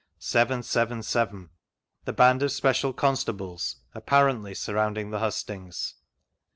7, 7, 7. The band of special constables, apparently , surrounding the hustings.